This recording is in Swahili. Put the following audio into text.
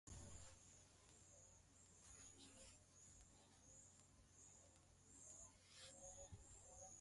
kuboresha kwamba hiki kifaa kinakwenda kutumika kwenye mwili wa binadamu